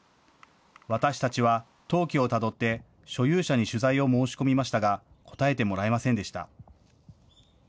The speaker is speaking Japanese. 私たちは登記をたどって所有者に取材を申し込みましたが応えてもらえませんでした。